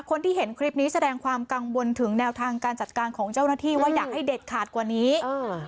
คนที่เห็นคลิปนี้แสดงความกังวลถึงแนวทางการจัดการของเจ้าหน้าที่ว่าอยากให้เด็ดขาดกว่านี้เออ